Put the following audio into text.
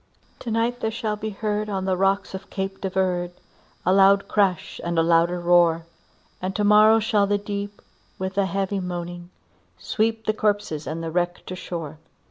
"To night there shall be heard on the rocks of Cape de Verde, A loud crash, and a louder roar; And to morrow shall the deep, with a heavy moaning, sweep The corpses and wreck to the shore."